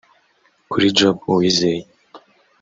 Kuri Job Uwizeye